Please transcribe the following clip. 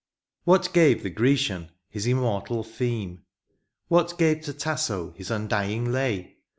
What gave the Grecian his immortal theme ? What gave to Tasso his undying lay